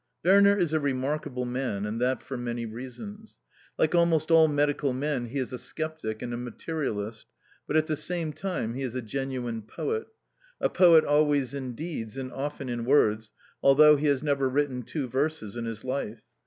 Werner is a remarkable man, and that for many reasons. Like almost all medical men he is a sceptic and a materialist, but, at the same time, he is a genuine poet a poet always in deeds and often in words, although he has never written two verses in his life.